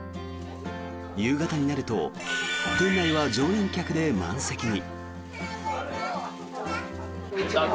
夕方になると店内は常連客で満席に。